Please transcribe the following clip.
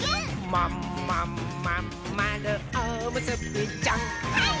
「まんまんまんまるおむすびちゃん」はいっ！